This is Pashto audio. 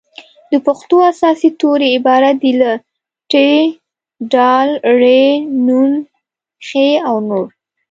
د پښتو اساسي توري عبارت دي له : ټ ډ ړ ڼ ښ او نور